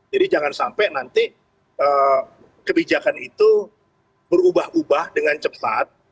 jadi jangan sampai nanti kebijakan itu berubah ubah dengan cepat